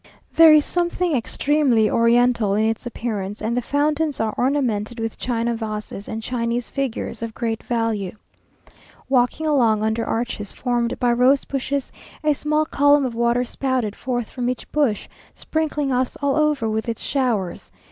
There is something extremely oriental in its appearance, and the fountains are ornamented with China vases and Chinese figures of great value. Walking along under arches formed by rose bushes, a small column of water spouted forth from each bush, sprinkling us all over with its showers.